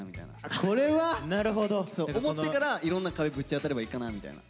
思ってからいろんな壁ぶち当たればいいかなみたいな。